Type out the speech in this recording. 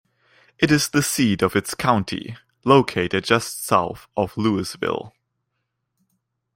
It is the seat of its county, located just south of Louisville.